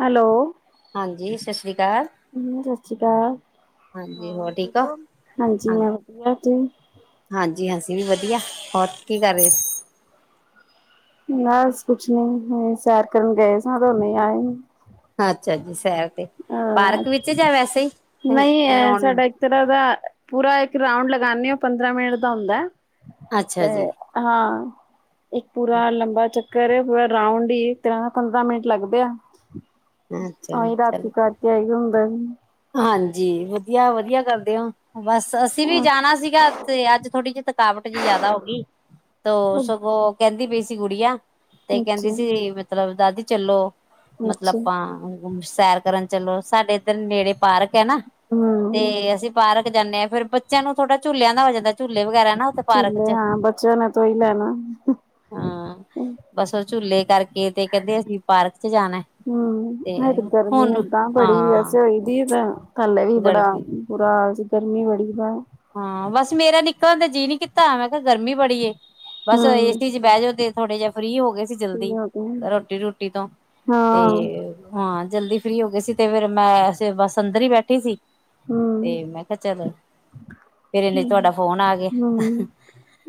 Hello, ਹਾਂਜੀ ਸਤਿ ਸ੍ਰੀ ਅਕਾਲ ਹ ਸਤਿ ਸ਼੍ਰੀ ਅਕਾਲ। ਹੋਰ, ਠੀਕ ਹੋ। ਹਾਂਜੀ, ਮੈਂ ਵਧਿਆ ਤੁ ਹਾਂਜੀ-ਹਾਂਸੀ, ਅਸੀਂ ਵੀ ਵਧੀਆ। ਹੋਰ ਕੀ ਕਰ ਰਹੇ ਸੀ? ਬਸ, ਕੁਛ ਨੀ। ਸੈਰ ਕਰਨ ਗਏ ਸ, ਹੁਣੇ ਆਏ। ਅੱਛਾ ਜੀ, ਸੈਰ ਤੇ। ਹਾਂ ਪਾਰਕ ਵਿੱਚ ਜਾ ਵੈਸੇ ਹੀ ਰਉਣ ਇਹ ਤਰਾਂ ਦਾ, ਪੂਰਾ ਇੱਕ ਰਾਊਂਡ ਲਗਾਦੇ ਆ। ਪੰਦਰਾਂ ਮਿੰਟ ਦਾ ਹੁੰਦਾ। ਅੱਛਾ ਤੇ ਜੀ ਹਾਂ, ਇੱਕ ਪੂਰਾ ਲੰਬਾ ਚ ਕਰੇ ਪੂਰਾ, ਰਾਂਡ ਹੀ। ਇਕ ਤਰਾਂ, ਦਾ ਪੰਦਰਾਂ ਮਿੰਟ ਲੱਗਦੇ ਆ। ਅੱਛਾ ਉਹੀ ਤ ਚਲੋ [unintelligible] ਹੁੰਦਾ ਹਾਂਜੀ। ਵਧੀਆ- ਵਧੀਆ ਕਰਦੇ ਹੋ। ਬਸ, ਅਸੀਂ ਵੀ ਜਾਣਾ ਸੀਗਾ। ਤੇ ਅੱਜ ਥੋੜੀ, ਜਿਹੀ ਥਕਾਵਟ ਜਿਹੀ, ਜਿਆਦਾ ਹੋ ਗਈ। ਤੋ ਸਗੋਂ, ਕਹਿੰਦੀ ਪਈ ਸੀ ਗੁੜੀਆ। ਤੇ ਕਹਿੰਦੀ ਅੱਛਾ ਸੀ, ਮਤਲਬ ਦਾਦੀ ਚਲੋ। ਮਤਲਬ ਅੱਛਾ ਆਪਾਂ। ਸੈਰ ਕਰਨ ਚਲੋ। ਸਾਡੇ ਇੱਧਰ ਨੇੜੇ, ਪਾਰਕ ਹੈ ਨਾ। ਹੂੰ ਤੇ ਅਸੀਂ ਪਾਰਕ ਜਾਂਦੇ ਆ। ਫੇਰ ਬੱਚਿਆਂ ਨੂੰ ਥੋੜਾ, ਝੂਲਿਆਂ ਦਾ ਹੋ ਜਾਂਦਾ। ਝੂਲੇ ਵਗੈਰਾ। ਨਾ ਉੱਥੇ ਪਾਰਕ ਝੁਲੇ ਚ ਹਾਂ। ਬੱਚਿਆਂ ਨੇ ਤਾ, ਉਹੀ ਲੈਣਾ। ਹਾਂ। ਬਸ ਉਹ ਝੂਲੇ ਕਰਕੇ, ਤੇ ਕਹਿੰਦੇ ਅਸੀਂ ਪਾਰਕ ਚ ਜਾਣਾ। ਹੂੰ। ਤੇ ਅਜ ਗਰਮੀ ਹੁਣ ਓਦਾਂ, ਬੜੀ ਹਾਂ ਵੈਸੇ ਹੋਈ ਦੀ, ਤਾਂ। ਹਲੇ ਵੀ ਬੜਾ ਗੜਬੀ ਬੁਰਾ ਹਾਲ ਸੀ। ਗਰਮੀ ਬੜੀ ਬਾ ਹਾਂ। ਬਸ ਮੇਰਾ ਨਿੱਕਲ ਤੇ, ਜੀਅ ਨੀ ਕੀਤਾ। ਮੈਂ ਕਿਹਾ ਗਰਮੀ ਬੜੀ ਏ। ਬਸ ਹੂੰ, ਏਸੀ ਚ ਬਹਿ ਜਾਓ ਤੇ। ਥੋੜੇ ਜਿਹੇ, ਫਰੀ ਹੋ ਗਏ ਸੀ, ਜਲਦੀ। ਰੋਟੀ- ਰੂਟੀ ਤੋਂ। ਤੇ ਹਾਂ ਹਾਂ, ਜਲਦੀ ਫ੍ਰੀ ਹੋ ਗਏ ਸੀ। ਤੇ ਫੇਰ ਮੈਂ, ਬਸ ਅੰਦਰ ਹੀ ਬੈਠੀ ਸੀ। ਹੂੰ। ਤੇ ਮੈਂ ਕਿਹਾ ਚਲ ਫੇਰ ਇਨੇ ਚ ਹੂੰ, ਤੁਹਾਡਾ ਫੋਨ ਆ ਗਿਆ। ਹੂੰ।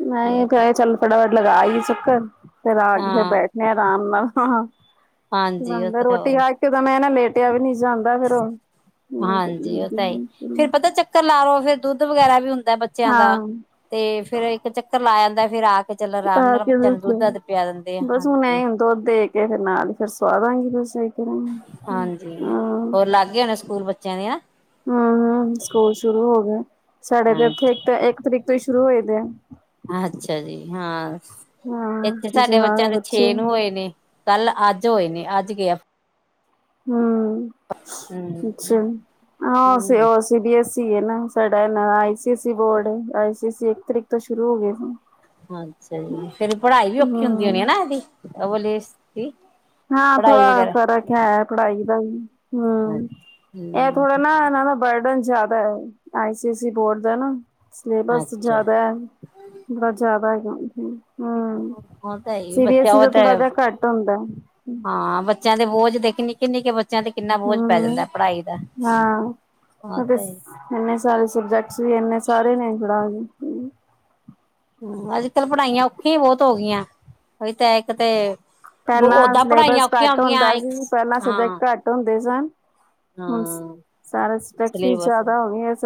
ਮੈਂ ਕਿਹਾ ਚੱਲੋ। ਥੋੜਾ, ਲਗਾ ਆਈਏ ਚਕਰ। ਫੇਰ ਆ ਕੇ, ਫੇ ਹਾਂ ਬੈਠੇ ਦੇ ਆ, ਆਰਾਮ ਨਾਲ। ਹਾਂਜੀ ਉਹ ਬੰਦਾ ਤਾਂ ਰੋਟੀ ਹੋਰ ਖਾਕੇ। ਇਕ ਦਮ ਹੈ ਨਾ, ਲੇਟਿਆ ਵੀ ਨਹੀਂ ਜਾਂਦਾ। ਫੇਰ ਉਹ ਨਹੀਂ। ਫੇਰ ਪਤਾ ਚੱਕਰ ਲਾਔ, ਫੇਰ ਦੁੱਧ ਵਗੈਰਾ ਵੀ ਹੁੰਦਾ। ਬੱਚਿਆਂ ਦਾ। ਹਾਂ, ਤੇ ਫੇਰ ਇੱਕ, ਚੱਕਰ ਲਾ ਆਦਾ। ਫੇਰ ਆ ਕੇ ਚਲ, ਆਰਾਮ ਆ ਨਾਲ ਕੇ ਬੱਚਿਆਂ ਨੂੰ, ਦੁੱਧ- ਦਧ ਪਿਆ ਦਿੰਦੇ ਆ। ਬਸ ਹੁਣ ਐ ਹੁਣ ਦੁੱਧ ਦੇ, ਕੇ ਫੇਰ ਨਾਲ ਹੀ। ਫੇਰ ਸਵਾ ਦਵਾਂਗੀ, ਬਸ। ਕਰਾਂਗੀ ਹਾਂਜੀ। ਹੋਰ, ਲੱਗ ਗਏ ਹੋਣੇ। ਸਕੂਲ ਬੱਚਿਆਂ ਦੇ। ਹੂੰ। ਸਕੂਲ ਸ਼ੁਰੂ ਹੋ ਗਏ। ਸਾਡੇ ਇੱਥੇ ਤੇ ਇੱਕ ਤਰੀਕ ਤੋਂ ਹੀ, ਸ਼ੁਰੂ ਹੋਏ ਪਏ ਹੈ। ਅੱਛਾ ਜੀ। ਹਾਂ, ਇੱਥੇ ਹਾਂ ਸਾਡੇ ਜਹਾ ਬੱਚਿਆਂ ਹੈ ਦੇ, ਬੱਚੇ ਛੇ ਨੂੰ ਹੋਏ ਨੇ। ਕੱਲ, ਅੱਜ ਹੋਏ ਨੇ। ਅੱਜ ਗ ਹੂੰ। ਹਮ ਅੱਛਾ ਅ ਸ ਹਾਂਜੀ ਹ। ਸੀ ਬੀ ਐੱਸ ਈ, ਹੈ ਨਾ। ਸਾਡਾ ਆਈ ਸੀ ਐਸ ਈ, ਬੋਰਡ ਹੈ। ਆਈ ਸੀ, ਐ ਇੱਕ ਤਰੀਕ ਤੋਂ, ਸ਼ੁਰੂ ਹੋ ਗਏ ਸੀ। ਅੱਛਾ ਜੀ। ਫੇਰ, ਪੜਾਈ ਵੀ, ਔਖੀ ਹੁੰਦੀ ਹੋਣੀ ਆ, ਹੂੰ ਨਾ ਇਹਦੀ। ਐ ਵਾਲੇ ਦੀ। ਹਾਂ, ਪੜ੍ਹਾਈ ਥੋੜਾ ਵਗੈਰਾ ਫ਼ਰਕ ਹੈ। ਪੜਾਈ ਦਾ ਵੀ। ਹੂੰ। ਇਹ ਹਮ ਥੋੜਾ ਨਾ, ਇਹਨਾਂ ਦਾ। ਬਰਡਨ ਜ਼ਿਆਦਾ ਹੈ। ਆਈਸੀ ਸੀ, ਬੋਰਡ ਦਾ ਨਾ। ਸਿਲੇਬਸ ਅੱਛਾ ਜ਼ਿਆਦਾ ਹੈ। ਥੋੜਾ ਜਿਆਦਾ ਹੈਗਾ। ਹੂੰ, ਉਹ ਤਾਂ ਹੈ ਹੀ ਸੀ ਬੀ ਐਸ ਬੱਚਾ ਈ, ਉਹ ਦਾ ਤਾਂ ਥੋੜਾ ਜਿਹਾ ਘੱਟ ਹੁੰਦਾ। ਹੈ। ਹਾਂ, ਬੱਚਿਆਂ ਦੇ ਬੋਝ, ਦੇਖ ਨਿੱਕੇ- ਨਿੱਕੇ, ਬੱਚੇ ਬੱਚਿਆਂ ਤੇ, ਕਿੰਨਾ ਬੋਝ ਪੈ ਹੂੰ, ਜਾਂਦਾ। ਪੜਾਈ ਦਾ। ਹਾਂ, ਉਹਦੇ ਤੇ। ਇੰਨੇ ਸਾਰੇ, ਸਬਜੈਕਟਸ ਵੀ ਇੰਨੇ ਸਾਰੇ ਨੇ [unintelligible] ਹੂੰ, ਅੱਜ ਕਲ ਪੜ੍ਹਾਈਆਂ ਔਖੀਆਂ ਈ ਬੌਤ ਹੋ ਗਈਆਂ, ਔਈ ਤਾਂ ਇੱਕ ਤੇ ਪੇਹਲਾਂ ਓਦਾਂ ਪੜ੍ਹਾਈਆਂ ਸਲੇਬਸ ਔਖੀਆਂ ਘੱਟ ਹੁੰਦਾ ਹੋਗੀਆਂ ਇੱਕ ਸੀ, ਪੇਹਲਾਂ ਹਾਂ ਸਬਜੈਕਟ ਘੱ ਟ ਹੁੰਦੇ ਸਨ, ਹੁਣ ਹਾਂ ਸਾਰਾ ਸਬਜੈਕਟ ਵੀ ਸਿਲੇਬਸ ਜ਼ਆਦਾ ਹੋ ਗਏ ਸ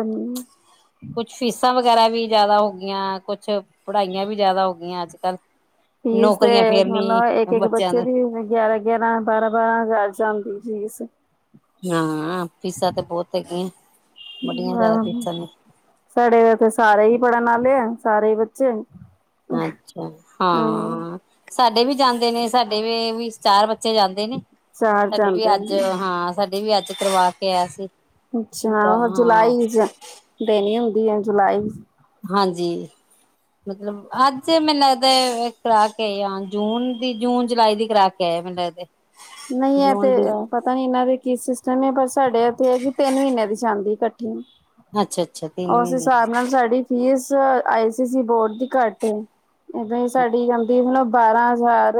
ਕੁਛ ਫੀਸਾਂ ਵਗੈਰਾ ਵੀ ਜਾਅਦਾ ਹੋ ਗਈਆਂ, ਕੁਛ ਪੜਾਈਆਂ ਵੀ ਜਾਅਦਾ ਹੋ ਗਈਆਂ ਅੱਜ ਕੱਲ। ਫੀਸ ਤੇ ਨੌਕਰੀਆਂ ਫੇਰ ਹੁਣ ਨੀ ਏਕ-ਏਕ ਬੱਚਿਆਂ ਬੱਚੇ ਦਾ ਦੀ ਵੀ ਹੁਣ ਗਿਆਰਾਂ ਗਿਆਰਾਂ ਬਾਰਾਂ-ਬਾਰਾਂ ਹਜ਼ਾਰ ਜਾਂਦੀ ਫੀਸ। ਹਾਂ, ਫੀਸਾਂ ਤੇ ਬੌਤ ਹੈਗੀਆਂ, ਬੜੀਆਂ ਜਾਅਦਾ ਫੀਸਾਂ ਨੇ। ਸਾਡੇ ਇੱਥੇ ਸਾਰੇ ਈ ਪੜ੍ਹਨ ਆਲੇ ਐ, ਸਾਰੇ ਈ ਬੱਚੇ। ਅੱਛਾ, ਹਾਂ ਸਾਡੇ ਵੀ ਜਾਂਦੇ ਨੇ, ਸਾਡੇ ਵੇ ਵੀ ਚਾਰ ਬੱ ਚੇ ਜਾਂਦੇ ਨੇ, ਚਾਰ ਸਾਡੇ ਵੀ ਜਾਂਦੇ ਅੱਜ ਨੇ। ਹਾਂ, ਸਾਡੇ ਵੀ ਅੱਜ ਕਰਵਾ ਕੇ ਆਇਆ ਸੀ। ਅੱਛਾ, ਹੋਰ ਹਾਂ ਜੁਲਾਈ ਚ, ਦੇਣੀ ਹੁੰਦੀ ਏ ਜੁਲਾਈ ਹਾਂਜੀ। ਮਤਲਬ ਆਜ ਮੈਨੂੰ ਲੱਗਦਾ ਏ, ਏਹ ਕਰਾ ਕੇ ਆਣ ਜੂਨ ਦੀ, ਜੂਨ ਜੁਲਾਈ ਦੀ ਕਰਾ ਟਾਈਮ ਨੀ ਲੱਗਦੇ। ਨਈ ਐ ਤੇ ਅ ਪਤਾ ਨੀ ਇਹਨਾਂ ਦੇ ਕੀ ਸਿਸਟਮ ਏ? ਪਰ ਸਾਡੇ ਇੱਥੇ ਹੈਗੀ, ਤਿੰਨ ਮੀਨੇ ਦੀ ਜਾਂਦੀ ਇਕੱਠੀ। ਅੱਛਾ ਅੱਛਾ ਤਿੰਨ ਔਸ ਮਹੀਨੇ ਹਿਸਾਬ ਨਾਲ ਸਾਡੀ ਫੀਸ ਆਈ ਸੀ ਸੀ ਬੋਰਡ ਦੀ ਘੱਟ ਐ। ਇਦਾਂ ਈ ਸਾਡੀ ਜਾਂਦੀ ਹੁਣ ਬਾਰਾਂ ਹਜ਼ਾਰ,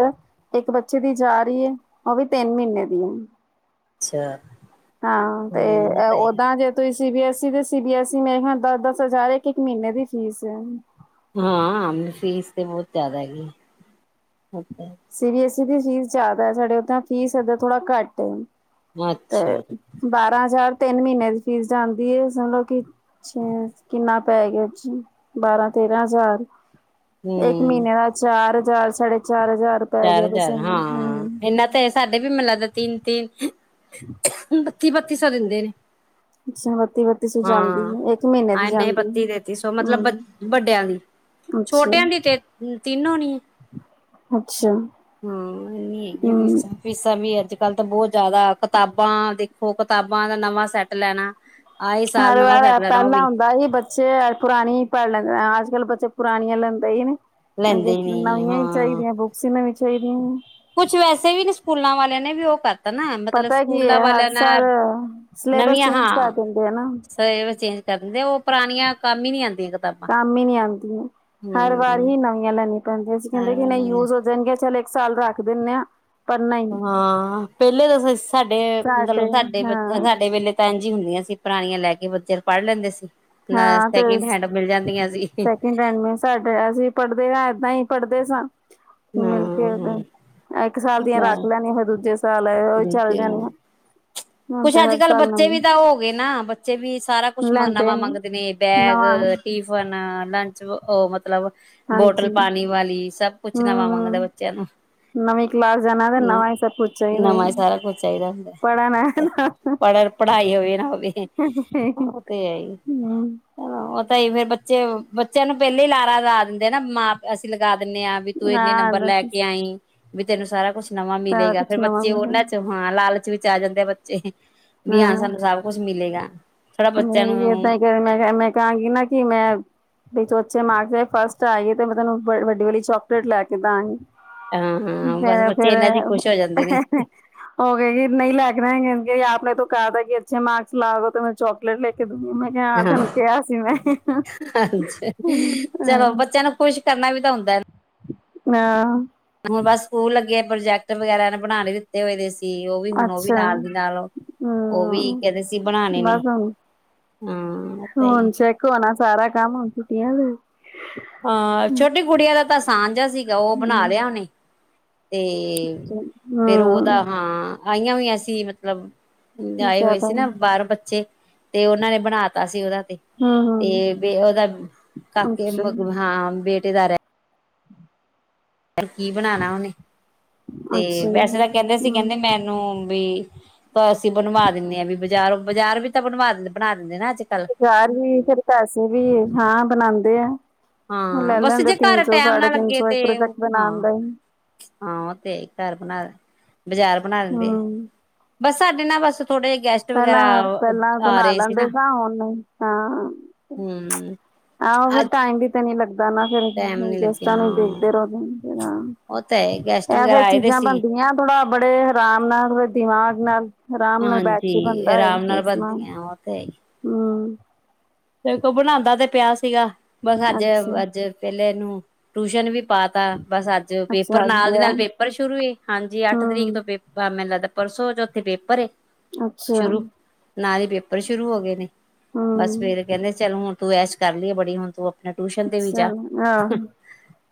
ਇੱਕ ਬੱਚੇ ਦੀ ਜਾ ਰਈ ਏ, ਉਹ ਵੀ ਤਿੰਨ ਮੀਨੇ ਦੀਆਂ। ਅੱਛਾ ਹਾਂ ਤੇ ਹਮ ਐ ਤਾਂ ਹੈ ਔਦਾਂ ਜੇ ਤੁਸੀ ਸੀ ਬੀ ਐਸ ਈ, ਤੇ ਸੀ ਬੀ ਐਸ ਈ, ਮੇ ਖਾਲ ਦਸ-ਦਸ ਹਜ਼ਾਰ, ਇੱਕ-ਇੱਕ ਮੀਨੇ ਦੀ ਫੀਸ ਏ। ਹਾਂ, ਫੀਸ ਤੇ ਬੌਤ ਜਾਅਦਾ ਹੈਗੀ ਏ, ਅੱਛਾ। ਸੀ ਬੀ ਐਸ ਈ ਦੀ ਫੀਸ ਜ਼ਾਅਦਾ ਏ, ਸਾਡੇ ਉਦਾਂ ਫੀਸ ਇਧਰ ਥੋੜਾ ਘੱਟ ਏ। ਅੱਛਾ ਤੇ ਬਾਰਾਂ ਹਜ਼ਾਰ ਤਿੰਨ ਮੀਨੇ ਦੀ ਫੀਸ ਜਾਂਦੀ ਏ, ਸਮਝ ਲੋ ਕਿ ਅੱਛਾ, ਕਿੰਨਾ ਪੈ ਗਿਆ ਜੀ, ਬਾਰਾਂ ਤੇਰਾਂ ਹਜ਼ਾਰ। ਇੱਕ ਹਮ ਮਈਨੇ ਦਾ ਚਾਰ ਹਜ਼ਾਰ, ਸਾਡੇ ਚਾਰ ਹਜ਼ਾਰ। ਪੈ ਚਾਰ ਗਿਆ ਬਸ ਹਜ਼ਾਰ ਸਾਨੂੰ ਹਾਂ, ਹੂੰ। ਇਨਾ ਤੇ ਸਾਡੇ ਵੀ ਮੈਨੂੰ ਲੱਗਦਾ ਤਿੰਨ-ਤਿੰਨ, ਬੱਤੀ-ਬੱਤੀ ਸੌ ਦਿੰਦੇ ਨੇ। ਅੱਛਾ ਬੱਤੀ ਬੱਤੀ ਸੌ ਜਾਂਦੀ ਹਾਂ, ਏ ਇੱਕ ਮਹੀਨੇ ਦੀ ਹਾਂ ਇਨੇ ਈ ਜਾਂਦੀ ਏ। ਬੱਤੀ ਤੇਤੀ ਸੋ, ਮਤਲਬ ਹੂੰ ਵੱਡਿਆਂ ਦੀ। ਅੱਛਾ ਛੋਟੇਆਂ ਦੀ ਤੇ ਤਿੰਨ ਹੋਣੀ ਐ? ਅੱਛਾ। ਹਾਂ, ਇਨੀ ਹੈਗੀ ਆ ਹੂੰ ਫੀਸਾਂ। ਫੀਸਾਂ ਵੀ ਅੱਜ ਕੱਲ ਤਾਂ ਬੌਹਤ ਜ਼ਆਦਾ, ਕਿਤਾਬਾਂ ਦੇਖੋ, ਕਿਤਾਬਾਂ ਦਾ ਨਵਾਂ ਸੈੱਟ ਲੈਣਾ ਆਏ ਸਾਲ ਹਰ ਨਵਾਂ ਸੈੱਟ ਵਾਰ, ਲੈਣਾ ਉਹ ਪੈਲਾਂ ਵੀ ਹੁੰਦਾ ਸੀ ਬਚ ਚੇ ਪੁਰਾਨੀ ਈ ਪੜ੍ਹ ਲੈਂਦੇ, ਅ ਅੱਜ ਕੱਲ ਬੱਚੇ ਪੁਰਾਣੀਆਂ ਲੈਂਦੇ ਈ ਨੀ। ਹਾਂਜੀ, ਲੈਂਦੇ ਨੀ ਨਵੀਆਂ ਈ ਹਾਂ ਚਾਹੀਦੀਆਂ, ਬੁੱਕਸ ਈ ਨਵੀਂ ਚਾਹੀਦੀਆਂ। ਕੁਛ ਵੈਸੇ ਵੀ ਨ, ਸਕੂਲਾਂ ਵਾਲੇ ਨੇ ਵੀ ਉਹ ਕਰ ਪਤਾ ਨਾ, ਮਤਲਬ ਪਤਾ ਕੀ ਹੈ ਸਕੂਲਾਂ ਹਰ ਵਾਲਿਆਂ ਨਾ, ਸਾਲ ਸਿਲੇਬਸ ਨਵੀਆਂ ਚੇਂਜ ਕਰ ਹਾਂ। ਦਿੰਦੇ ਆ ਨਾ ਇਹ ਚੇਂਜ ਕਰ ਦੇ, ਉਹ ਪੁਰਾਣੀਆਂ ਕੰਮ ਈ ਨਈ ਆਂਦੀਆਂ ਕਿਤਾਬਾਂ। ਕੰਮ ਈ ਨੀ ਆਂਦੀਆਂ। ਹਰ ਵਾਰ ਹਮ ਈ ਨਵੀਆਂ ਲੈਨੀ ਪੈਂਦੀਆਂ, ਅਸੀ ਕਹਿੰਦੇ ਹਰ ਕਿ ਵਾਰ ਨਈ, ਨਵੀਆਂ ਯੂਜ ਹੋ ਜਾਣਗੀਆਂ, ਚੱਲ ਇੱਕ ਸਾਲ ਰੱਖ ਦੇਂਣੇ ਆਂ। ਹਾਂ ਪੇਲੇ ਤਾਂ ਸ ਸਾਡੇ, ਮਤਲਬ ਸਾਡੇ ਬਚ, ਸਾਡੇ ਵੇਲੇ ਏਂਜ ਈ ਹੁੰਦਿਆਂ ਸੀ, ਪੁਰਾਣੀਆਂ ਲੈ ਕੇ ਬੱਚੇ ਪੜ੍ਹ ਲੈਂਦੇ ਸੀ। ਨ, ਹਾਂ ਤੇ ਸੈਕਿੰਡ ਹੈਂਡ ਮਿਲ ਜਾਂਦੀਆਂ ਸੀ। ਸੈਕਿੰਡ ਹੈੰਡ ਮੇਂ, ਸਾਡੇ ਅਸੀਂ ਪੜ੍ਹਦੇ ਆ, ਏਦਾਂ ਈ ਪੜ੍ਹਦੇ ਸਾਂ। ਮਿਲ ਕੇ ਹੂੰ-ਹੂੰ। ਇੱਕ ਸਾਲ ਦੀਆਂ ਰੱਖ ਲੈਣੀ, ਫਿਰ ਦੂਜੇ ਸਾਲ ਆ ਏ ਉਈ ਚੱਲ ਜਾਣਿਆ। ਕੁੱਛ ਅੱਜ ਕੱਲ ਬੱਚੇ ਵੀ ਤਾਂ ਔ ਗਏ ਨਾ, ਬੱਚੇ ਵੀ ਸਾਰਾ ਕੁੱਛ ਲੈਂਦੇ ਨਵਾਂ ਨੀ ਮੰਗਦੇ ਨੇ। ਬੈਗ, ਨਵਾਂ ਟਿਫਨ, ਲੰਚ, ੳ ਮਤਲਬ ਬੋਟਲ ਹਾਂਜੀ ਪਾਣੀ ਵਾਲੀ ਸਬ। ਹਮ ਸੂਚਨਾਵਾਂ ਮੰਗਦੇ ਹਮ ਬੱਚਿਆਂ ਨੂੰ। ਨਵੀਂ ਕਲਾਸ ਜਾਣਾ ਤੇ ਨਵਾਂ ਹੀ ਸਭ ਕੁਛ ਚਾਹੀਦਾ ਨਵਾਂ ਹੀ ਸਾਰਾ ਪੜ੍ਹ ਨਾ ਪੜਨ ਪੜ੍ਹਾਈ ਹੋਵੇ ਨਾ ਹੋਵੇ ਉਹ ਤੇ ਹੈ ਈ। ੳ ਔਹ ਤਾਂ ਇਵੇਂ ਬੱਚੇ, ਬੱਚੇਯਾ ਨੂੰ ਪਹਿਲੇ ਈ ਲਾਰਾ ਲਾ ਦਿੰਦੇ ਆ, ਨਾ ਮਾਂ, ਅਸੀਂ ਲਗਾ ਦਿੰਦੇ ਆਂ ਵੀ ਤੂੰ ਇੰਨੇ ਨੰਬਰ ਲੈ ਕੇ ਆਈ ਵੀ ਤੈਨੂੰ ਸਾਰਾ ਕੁਛ ਨਵਾਂ ਮਿਲੇਗਾ। ਫੇਰ ਬੱਚੇ ਉਹਨਾਂ ਚ ਹਾਂ ਲਾਲਚ ਵਿੱਚ ਆ ਜਾਂਦੇ ਆ ਬੱਚੇ। ਵੀ ਹਾਂ ਹੂੰ ਸਾਨੂੰ ਸਭ ਕੁਛ ਮਿਲੇਗਾ ਥੋੜਾ ਬੱਚਿਆਂ ਨਈ ਨੂੰ ਏਦਾਂ ਹੀ ਮੈਂ ਮੈਂ ਕਾਂ ਗੀ ਨਾ। ਕੀ ਮੈਂ ਤੂੰ ਅੱਛੇ ਮਾਰਕਸ ਵਿੱਚ ਫਸਟ ਆਈ ਤੇ ਮੈਂ ਤੈਨੂੰ ਵੱਡੀ ਵੱਡੀ ਚੋਕਲੇਟ ਲੈ ਕੇ ਦਾਂਗੀ। ਹਾਂ ਹਾਂ ਬਸ ਮੈ ਬੱਚੇ ਫੇਰ ਇਹਨਾਂ ੲ ਚ ਹ ਖੁਸ਼ ਹੋ ਜਾਂਦੇ ਨੇ ਹ। ਹੋ ਗਈ ਨਹੀਂ ਲੈ ਕੇ ਦੇਣਗੇ ਆਪ। ਆਪਨੇ ਤੋਂ ਕਹਾ ਥਾ ਕਿ ਅੱਛੇ ਮਾਕਸ ਲਾੳਗੇ ਤੇ ਮੈਂ ਚੋਕਲੇਟ ਲੇ ਕੇ ਦੂੰਗੀ ਮੈਂ। ਕਿਹਾ ਹਾਂ ਤੈਨੂੰ ਕਿਹਾ ਸੀ ਮੈਂ ਹਾਂਜੀ ਚਲੋ ਬੱਚੇਆਂ ਨੂੰ ਖੁਸ਼ ਕਰਨਾ ਵੀ ਤਾਂ ਹੁੰਦਾ ਏ। ਹਾਂ। ਹੁਣ ਬਸ ਸਕੂਲ ਲੱਗੇ ਪ੍ਰੋਜੈਕਟ ਵਗੈਰਾ ਨੇ ਬਣਾਉਣੇ ਲਈ ਦਿੱਤੇ ਹੋਏ ਸੀ। ਤੇ ਉਹ ਵੀ ਹੁਣ ਉਹ ਵੀ ਅੱਛਾ ਨਾਲ ਦੀ ਨਾਲ ਉਹ ਵੀ ਹਮ ਕਹਿੰਦੇ ਸੀ ਬਣਾਣੇ ਨੇ। ਬਸ ਹੁਣ ਹਾਂ ਇਹ ਤਾਂ ਹੀ ਹੁਣ ਚੈੱਕ ਹੋਣਾ ਸਾਰਾ ਕੰਮ ਹੁਣ ਛੁੱਟਿਆ ਦੇ। ਹਾਂ ਛੋਟੀ ਗੁੜਿਆਂ ਦਾ ਤਾਂ ਆਸਾਨ ਜੇਹਾਂ ਸੀਗਾ ਉਹ ਬਣਾ ਹੂੰ ਲਿਆ ਉਹਨੇ। ਤੇ ਫੇਰ ਉਹਦਾ ਹੂੰ ਹਾਂ ਆਈਆਂ ਹੋਈਆਂ ਸੀ ਮਤਲਬ ਆਏ ਹੋਏ ਜ਼ਿਆਦਾ ਸੀ ਨਾ ਹੂੰ ਬਾਹਰ ਬੱਚੇ ਤੇ ਉਹਨਾਂ ਨੇ ਬਣਾ ਤਾ ਸੀ ਉਹਦਾ ਤੇ। ਹੂੰ ਤੇ ਬਈ ਉਹਦਾ ਕਾਕੇ ਅੱਛਾ ਮ ਹਾਂ ਬੇਟੇ ਦਾ ਰਹਿ ਕੀ ਬਣਾਣਾ ਉਹਨੇ ਤੇ ਅੱਛਾ ਵੈਸੇ ਤਾਂ ਕਹਿੰਦੇ ਸੀ ਹੂੰ ਕਹਿੰਦੇ ਮੈਨੂੰ ਬੀ ਬ ਅਸੀਂ ਬਣਵਾ ਦਿੰਦੇ ਆਂ ਵੀ ਬਜ਼ਾਰ ਬਾਜ਼ਾਰ ਵੀ ਤਾਂ ਬਣਵਾ ਬਣਾ ਦਿੰਦੇ ਨਾ ਅੱਜ ਕੱਲ। ਬਾਜ਼ਾਰ ਵੀ ਫਿਰ ਪੈਸੇ ਵੀ ਹਾਂ ਬਣਾਉਂਦੇ ਹੈ। ਉਹ ਹਾਂ ਲੈ ਬਸ ਲੈਂਦੇ ਜੇ ਤਿੰਨ ਘਰ ਸੌ ਟੈਮ ਸਾਢੇ ਨਾ ਤਿੰਨ ਲੱਗੇ ਸੌ ਇੱਕ ਤੇ ਪ੍ਰੋਜੈਕਟ ਬਣਾਨ ਦਾ ਹਾਂ ਹੀ। ਹਾਂ ਉਹ ਤੇ ਹ ਈ ਘਰ ਬਣਾ ਬਜ਼ਾਰ ਬਣਾ ਦੇਂਦੇ ਏ। ਹੂੰ ਬਸ ਸਾਡੇ ਨਾ ਬਸ ਥੋੜੇ ਜੇ ਗੈਸਟ ਵਗੈਰਾ ਪਹਿਲਾਂ ਪਹਿਲਾਂ ਆ ਬਣਾ ਰਹੇ ਸੀ ਲੈਂਦੇ ਨਾ ਸਾ ਹੁਣ ਹਾਂ। ਹੂੰ ਆਹੋ ਫਿਰ ਅੱਜ ਟਾਈਮ ਵੀ ਤੇ ਨੀ ਲੱਗਦਾ ਨਾ ਫਿਰ ਟੈਮ ਨੀ ਲੱਗਿਆ ਗੈਸਟਾਂ ਨੂੰ ਹਾਂ। ਦੇਖਦੇ ਰਹੋ ਨਾ। ਉਹ ਤੇ ਹੈ ਈ ਗੈਸਟ ਵਗੈਰਾ ਆਏ ਦੇ ਸੀ। ਥੋੜਾ ਬੜੇ ਹਰਾਮ ਨਾਲ ਦਿਮਾਗ ਨਾਲ ਆਰਾਮ ਨਾਲ ਬੈਠ। ਕੀ ਹਾਂਜੀ ਬਨਦਾ ਏ ਆਰਾਮ ਨਾਲ ਇਸ ਸਮਾਨ ਬਣਦੀਆਂ ਉਹ ਹੁਂ। ਦੇ ਤੂੰ ਬਣਾਉਦਾ ਤੇ ਪਿਆ ਸੀਗਾ ਬਸ ਅੱਜ ਅੱਛਾ ਅੱਜ ਪਹਿਲੇ ਇਹਨੂੰ ਟਿਊਸ਼ਨ ਵੀ ਪਾ। ਤਾ ਬਸ ਅੱਜ ਪੇਪਰ ਅੱਛਾ ਨਾਲ ਦੀ ਵਧੀਆ ਨਾਲ ਪੇਪਰ ਸ਼ੁਰੂ ਈ ਹਾਂਜੀ ਅੱਠ ਤਰੀਕ ਹੂੰ ਤੋਂ ਪੇਪਰ ਬਸ ਮੈਨੂੰ ਲੱਗਦਾ ਪਰਸੋਂ ਚੌਥੇ ਪੇਪਰ ਹੈ। ਅੱਛਾ ਨਾਲ ਹੀ ਪੇਪਰ ਸ਼ੁਰੂ ਹੋ ਗਏ ਨੇ। ਹਮ ਸਵੇਰੇ ਕਹਿੰਦੇ ਚਲ ਹੁਣ ਤੂੰ ਐਸ਼ ਕਰ ਲਈਏ ਬੜੀ ਹੁਣ ਤੂੰ ਆਪਣੇ ਟਿਊਸ਼ਨ ਤੇ ਵੀ ਜਾ। ਚਲੋ ਆਹੋ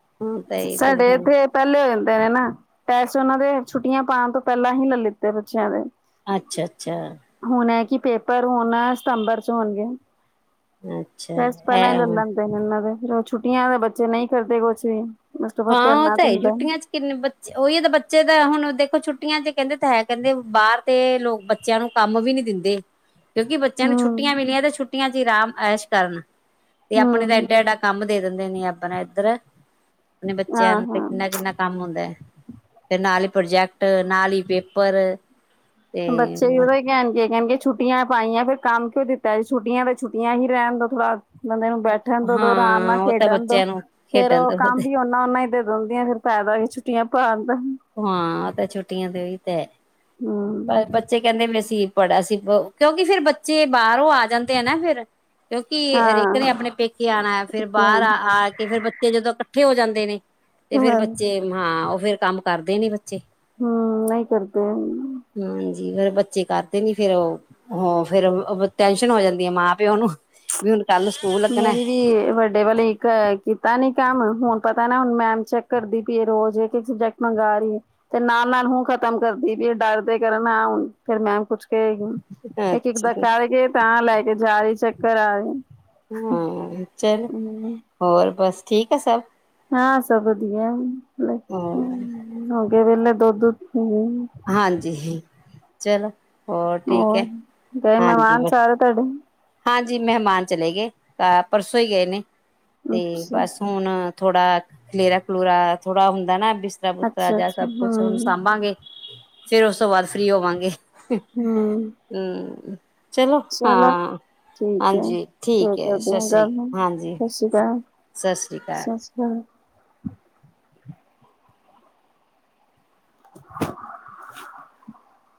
ਹੁਣ ਤਾਂ ਇਹ ਸਾਡੇ ਟਿਊਸ਼ਨ ਇੱਥੇ ਪਹਿਲੇ ਹੋ ਜਾਂਦੇ ਨੇ ਨਾ ਟੈਕਸ ਉਹਨਾਂ ਦੇ ਛੁੱਟੀਆਂ ਪਾਉਣ ਤੋਂ ਪਹਿਲਾਂ ਹੀ ਲੈ ਲਿੱਤੇ ਬੱਚਿਆਂ ਦੇ। ਅੱਛਾ ਅੱਛਾ ਹੁਣ ਹੈ ਕਿ ਪੇਪਰ ਹੁਣ ਸਤੰਬਰ ਚ ਹੋਣਗੇ। ਅੱਛਾ ਅੱਛਾ ਟੈਸਟ ਪਹਿਲਾਂ ਹੀ ਹੈ ਲੈ ਹੁਣ ਲੈਂਦੇ ਨੇ ਇਹਨਾਂ ਦੇ ਫਿਰ ਛੁੱਟੀਆਂ ਦੇ ਬੱਚੇ ਨਹੀਂ ਕਰਦੇ ਕੁਛ ਵੀ। ਉਸ ਤੋਂ ਬਾਅਦ ਹਾਂ ਉਹ ਕਰਨਾ ਤਾਂ ਤੇ ਹੈ ਹੁੰਦਾ ਛੁੱਟੀਆਂ ਚ। ਕਿੰਨੇ ਬੱਚੇ ਉਹੀ ਤਾਂ ਬੱਚੇ ਤਾਂ ਹੁਣ ਦੇਖੋ ਛੁੱਟੀਆਂ ਚ ਕਹਿੰਦੇ ਤਾਂ ਹੈ ਕਹਿੰਦੇ ਬਾਹਰ ਤੇ ਲੋਕ ਬੇ ਬੱਚਿਆਂ ਨੂੰ ਕੰਮ ਵੀ ਨੀ ਦਿੰਦੇ ਕਿਉਂਕਿ ਬੱਚਿਆਂ ਨੂੰ ਹੂੰ ਛੁੱਟੀਆਂ ਮਿਲੀਆਂ ਤੇ ਛੁੱ ਛੁੱਟੀਆਂ ਚ ਹੀ ਆਰਾਮ ਐਸ਼ ਕਰਨ ਤੇ ਆਪਣੇ ਤਾਂ ਹੂੰ ਇਧਰ ਐਡਾ ਐਡਾ ਕੰਮ ਦੇ ਦਿੰਦੇ ਨੇ ਆਪਣਾ ਇੱਧਰ। ਤੇ ਬੱਚਿਆਂ ਹਾਂ ਤੇ ਹਾਂ ਕਿੰਨਾ ਕਿੰਨਾ ਕੰਮ ਹੁੰਦਾ ਹੈ। ਤੇ ਨਾਲ ਹੀ ਪ੍ਰੋਜੈਕਟ ਨਾਲ ਹੀ ਪੇਪਰ। ਤੇ ਬੱਚੇ ਵੀ ਉਹਦੇ ਹੀ ਕਹਿਣ ਕਹਿਣ ਕੇ ਛੁਟਿਆ ਪਾਈਆਂ, ਫਿਰ ਕੰਮ ਕਿਉਂ ਦਿੱਤਾ ਏ, ਛੁੱਟੀਆਂ ਫਿਰ ਛੁੱਟਿਆਂ ਹੀ ਰਹਿਣ ਦੋ, ਥੋੜ੍ਹਾ ਬੰਦੇ ਨੂੰ ਬੈਠਣ ਤਾ ਦੋ, ਆਰਾਮ ਨਾਲ ਹਾਂ ਉਹ ਤਾਂ ਖੇਡਣ ਦੋ, ਬੱਚਿਆਂ ਨੂੰ ਫੇਰ ਖੇਡਣ ਉਹ ਦਾ ਕੰਮ ਵੀ ਹੁਣ ਉਹਨਾ ਹੀ ਦੇ ਦਿੰਦੀਆਂ, ਫਿਰ ਫੈਦਾ ਕੀ, ਛੱਟੀਆਂ ਪਾਉਣ ਦਾ ਹਾਂ ਉਹ ਤੇ ਛੁੱਟਿਆਂ ਦੇ, ਔ ਵੀ ਤੇ ਹੈ, ਹਮ ਪਰ ਬੱਚੇ ਕਹਿੰਦੇ ਵੀ ਸੀਂ, ਪੜਾ ਅਸੀ, ਕਿਉਂਕਿ ਫਿਰ ਬੱਚੇ ਬਾਹਰੋਂ ਆ ਜਾਂਦੇ ਆ ਨਾ ਫੇਰ, ਕਿਉਂਕਿ ਹਰ ਏਕ ਨੇ ਹਾਂ ਆਪਣੇ ਪੇਕੇ ਆਉਣਾ, ਫੇਰ ਬਾਹਰ ਹਾਂ ਆ ਕੇ, ਫੇਰ ਤੇ ਜਦੋਂ ਇਕੱਠੇ ਹੋ ਜਾਂਦੇ ਨੇ, ਤੇ ਫੇਰ ਬੱਚੇ, ਹਾਂ ਉਹ ਫੇਰ ਕੰਮ ਕਰਦੇ ਨੀ ਬੱਚੇ। ਹੂ ਨਹੀਂ ਕਰਦੇ ਹਾਂਜੀ ਫੇਰ ਬੱਚੇ ਕਰਦੇ ਨੀ, ਫੇਰ ਉਹ ਹੋ, ਫਿਰ ਟੈਨਸ਼ਨ ਹੋ ਜਾਂਦੀ ਆ ਮਾਂ ਪਿਓ ਨੂੰ, ਵੀ ਹੁਣ ਕੱਲ ਸਕੂਲ ਲੱਗਣਾ। ਵੱੇ [unintelligible] ਪਹਿਲੇ ਇਕ, ਕੀਤਾ ਨੀ ਕੰਮ, ਹੁਣ ਪਤਾ ਨਾ ਹੁਣ ਮੈਡਮ ਚੈੱਕ ਕਰਦੀ ਪਈ ਐ, ਰੋਜ਼ ਇਕ ਇਕ ਸਬਜੈਕਟ ਮੰਗਾ ਰਹੀ ਐ। ਤੇ ਨਾਲ ਨਾਲ ਹੂੰ ਖ਼ਤਮ ਕਰਦੀ ਵੀ ਐ, ਡਰ ਦੇ ਕਾਰਨ ਹੁ, ਫਿਰ ਮੈਂ ਕੁਛ ਇੱਕ ਇੱਕ ਦਾ ਅੱਛਾ ਕਰ ਕੇ, ਤਾਂ ਲੈ ਕੇ ਜਾਰੀ, ਚੈੱਕ ਕਰਾ ਰੀ। ਹਾਂ ਚਲ, ਹੋਰ ਬਸ ਠੀਕ ਐ ਸਭ। ਹਾਂ ਸਭ ਵਧੀਆ, ਹੋਰ ਹੋਗੇ ਵਲੇ ਦੁਧ ਹਾਂਜੀ ਚਲੋ ਠੀਕ ਹੈ ਹੋਰ, ਗਏ ਹਾਂਜੀ ਮਹਿਮਾਨ, ਬਸ ਸਾਰੇ ਤੁਹਾਡੇ। ਹਾਂਜੀ ਮਹਿਮਾਨ ਚਲੇ ਗਏ, ਪਰਸੋਂ ਹੀ ਗਏ ਨੇ, ਤੇ ਅੱਛਾ ਬਸ ਹੁਣ ਥੋੜਾ ਖਲੇਰਾ ਖਲੂਰਾ, ਥੋੜਾ ਹੁੰਦਾ ਨਾ ਦਿਸ ਰਾ, ਬਿਸਤਰਾ ਬਿਸਤੂਰਾ ਅੱਛਾ ਜਾਂ ਅੱਛਾ ਸਭ ਕੁਛ ਹਮ ਹੁਣ ਸਾਂਭਾਂਗੇ, ਫਿਰ ਉਸ ਤੋਂ ਬਾਅਦ ਫ੍ਰੀ ਹੋਵਾਂਗੇ। ਹੂ ਹੂ, ਚਲੋ ਹਾਂ ਠੀਕ ਹੈ, ਹਾਂਜੀ ਫੇਰ ਠੀਕ ਹੈ ਕਰਦੇ ਸਤਿ ਆ ਸ੍ਰੀ ਗੱਲ, ਹਾਂਜੀ ਸਤਿ ਸ੍ਰੀ ਅਕਾਲ, ਸਤਿ ਸ੍ਰੀ ਅਕਾਲ ਸਤੀ ਹਾਂ [unintelligible]